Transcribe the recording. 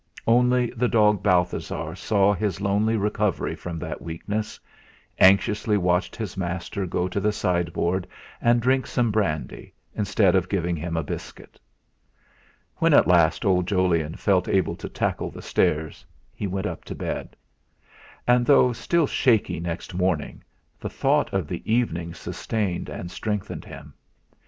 Only the dog Balthasar saw his lonely recovery from that weakness; anxiously watched his master go to the sideboard and drink some brandy, instead of giving him a biscuit. When at last old Jolyon felt able to tackle the stairs he went up to bed. And, though still shaky next morning, the thought of the evening sustained and strengthened him.